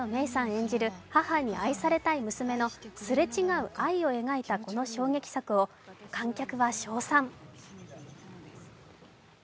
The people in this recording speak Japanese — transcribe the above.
演じる母に愛されたい娘のすれ違う愛を描いた、この衝撃作を観客は称賛。